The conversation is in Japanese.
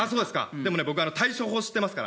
でもね、僕、対処法知ってますから。